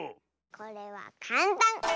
これはかんたん！